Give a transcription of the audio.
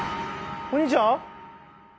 お兄ちゃん？